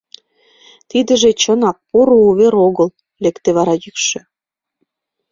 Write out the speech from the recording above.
— Тидыже, чынак, поро увер огыл, — лекте вара йӱкшӧ.